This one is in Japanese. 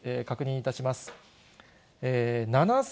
確認いたします。